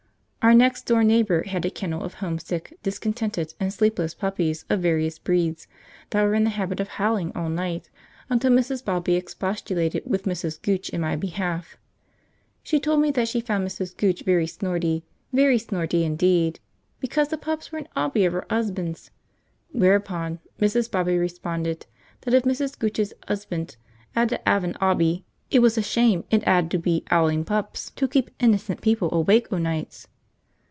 Our next door neighbour had a kennel of homesick, discontented, and sleepless puppies of various breeds, that were in the habit of howling all night until Mrs. Bobby expostulated with Mrs. Gooch in my behalf. She told me that she found Mrs. Gooch very snorty, very snorty indeed, because the pups were an 'obby of her 'usbants; whereupon Mrs. Bobby responded that if Mrs. Gooch's 'usbant 'ad to 'ave an 'obby, it was a shame it 'ad to be 'owling pups to keep h'innocent people awake o' nights.